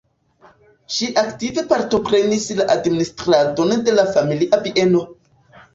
Ŝi aktive partoprenis la administradon de la familia bieno.